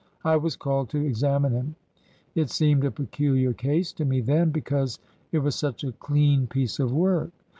I was called to examine him. It seemed a peculiar case to me then, because it was such a clean piece of work.